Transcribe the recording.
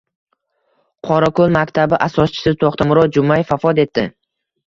«Qorako‘l maktabi» asoschisi To‘xtamurod Jumayev vafot etdi